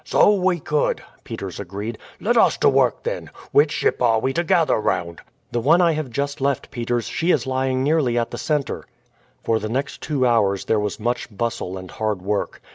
"So we could," Peters agreed. "Let us to work then. Which ship are we to gather round?" "The one I have just left, Peters; she is lying nearly in the center." For the next two hours there was much bustle and hard work.